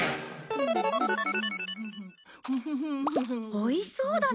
おいしそうだね。